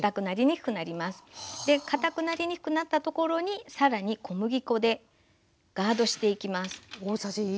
で堅くなりにくくなったところに更に小麦粉でガードしていきます。